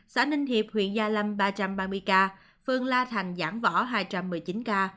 xã ninh hiệp huyện gia lâm ba trăm ba mươi ca phương la thành giảng võ hai trăm một mươi chín ca